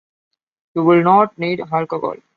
You will not need alcohol.